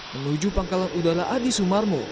menuju pangkalan udara adi sumarmo